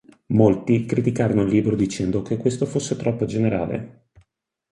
Molti criticarono il libro dicendo che questo fosse troppo generale.